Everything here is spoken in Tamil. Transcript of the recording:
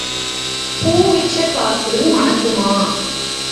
பூ விற்ற காசு மணக்குமா?